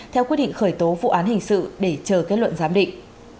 theo quyết định khởi tố vụ án hình sự để chờ kết luận giám định